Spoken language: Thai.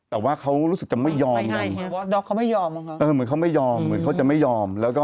แต่ว่าเขารู้สึกจะไม่ยอมอย่างนั้นนะครับเหมือนเขาไม่ยอม